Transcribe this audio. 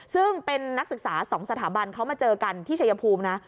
ซึ่งเป็นนักศึกษา๒สถาบันเขามาเจอกันที่ชัยภูมินะ